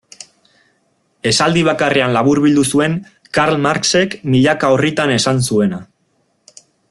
Esaldi bakarrean laburbildu zuen Karl Marxek milaka orritan esan zuena.